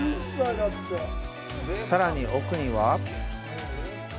さらに奥には。